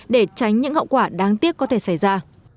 để tránh những hậu quả đáng tiếc có thể xảy ra